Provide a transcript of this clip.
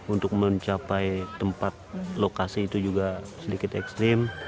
untuk mencapai tempat lokasi itu juga sedikit ekstrim